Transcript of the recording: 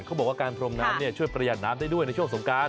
เขาบอกว่าการพรมน้ำช่วยประหยัดน้ำได้ด้วยในช่วงสงการ